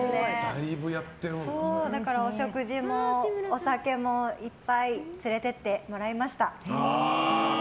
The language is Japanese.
だからお食事もお酒もいっぱい連れて行ってもらいました。